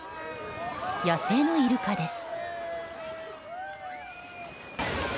野生のイルカです。